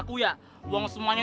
keren banget ya